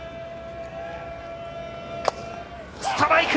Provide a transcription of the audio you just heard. ストライク！